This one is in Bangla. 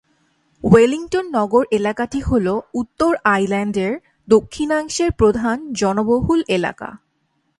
ওয়েলিংটন নগর এলাকাটি হল উত্তর আইল্যান্ডের দক্ষিণাংশের প্রধান জনবহুল এলাকা।